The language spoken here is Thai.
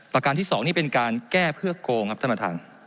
ประการที่๒นี่เป็นการแก้เพื่อโกงครับท่านประธาน